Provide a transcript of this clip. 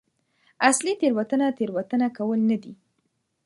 اصلي تېروتنه تېروتنه کول نه دي.